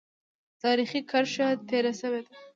تاریخي کرښه تېره شوې ده.